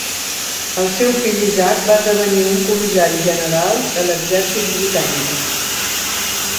El seu fill Isaac va esdevenir un comissari general de l'exercit britànic.